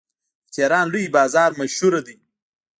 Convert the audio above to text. د تهران لوی بازار مشهور دی.